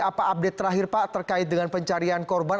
apa update terakhir pak terkait dengan pencarian korban